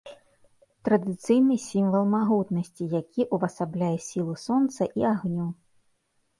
Традыцыйны сімвал магутнасці, які ўвасабляе сілу сонца і агню.